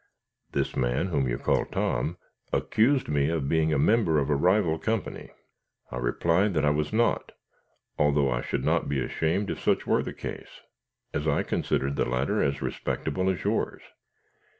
This man, whom you call Tom, accused me of being a member of a rival company; I replied I was not, although I should not be ashamed if such were the case, as I considered the latter as respectable as yours.